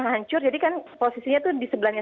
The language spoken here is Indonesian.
ancur jadi kan posisinya itu di sebelahnya